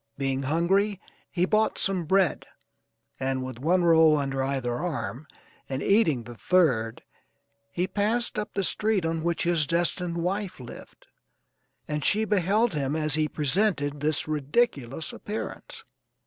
Being hungry, he bought some bread, and with one roll under either arm, and eating the third, he passed up the street on which his destined wife lived, and she beheld him as he presented this ridiculous appearance.